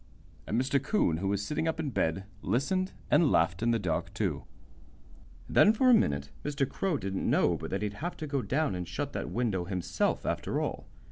And Mr. 'Coon, who was sitting up in bed, listened and laughed in the dark, too. Then for a minute Mr. Crow didn't know but that he'd have to go down and shut that window himself, after all.